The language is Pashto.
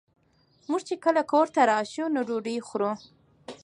مونږ چې کله کور ته راشو نو ډوډۍ خورو